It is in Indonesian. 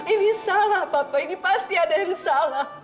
ini salah papa ini pasti ada yang salah